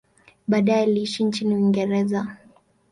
Baadaye aliishi nchini Uingereza.